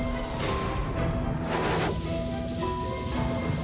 dewi sawitri dan sarpala